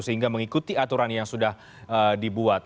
sehingga mengikuti aturan yang sudah dibuat